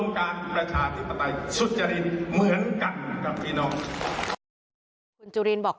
คุณจุรินบอก